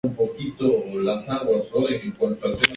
Antes los visitantes podían conducir por todo el complejo.